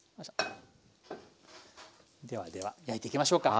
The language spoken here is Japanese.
ではでは焼いていきましょうか。